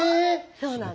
そうなの？